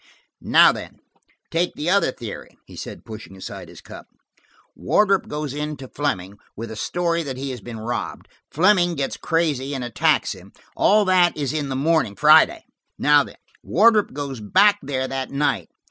"Now, then, take the other theory," he said, pushing aside his cup. "Wardrop goes in to Fleming: with a story that he has been robbed: Fleming gets crazy and attacks him. All that is in the morning–Friday. Now, then–Wardrop goes back there that night.